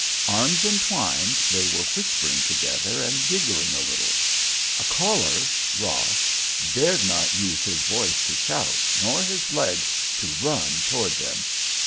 Arms entwined, they were whispering together and giggling a little. A caller, Ross dared not use his voice to shout nor his legs to run toward them.